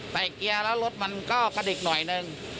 เกียร์แล้วรถมันก็กระดิกหน่อยหนึ่ง